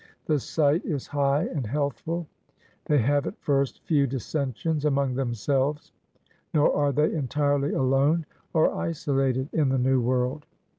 The site is high and healthful. They have at first few dissensions among themselves. Nor are they entirely alone or isolated in the New World.